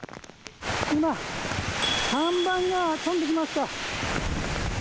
今、看板が飛んできました。